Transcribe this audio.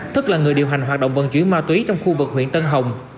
tức là người điều hành hoạt động vận chuyển ma túy trong khu vực huyện tân hồng